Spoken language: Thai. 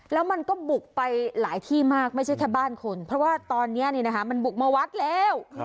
แล้วมันก็บุกไปหลายที่มากไม่ใช่แค่บ้านคนเพราะว่าตอนนี้มันบุกมาวัดแล้ว